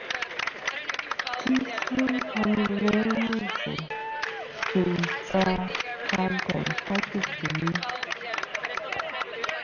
Tisi ntom i lænɨ zɨ teyn ta ka ntoỳnfaytɨ timi.